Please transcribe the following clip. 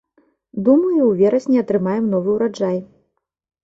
Думаю, у верасні атрымаем новы ўраджай.